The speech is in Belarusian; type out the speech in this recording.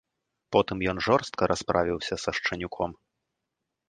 Потым ён жорстка расправіўся са шчанюком.